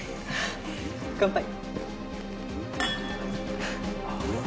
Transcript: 乾杯。